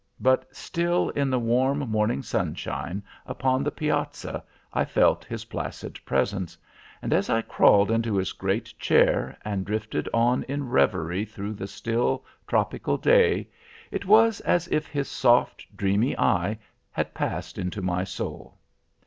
But still, in the warm morning sunshine upon the piazza, I felt his placid presence, and as I crawled into his great chair, and drifted on in reverie through the still, tropical day, it was as if his soft, dreamy eye had passed into my soul.